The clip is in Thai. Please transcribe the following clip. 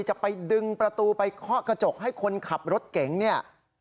จะไปดึงประตูไปเคาะกระจกให้คนขับรถเก๋งเนี่ย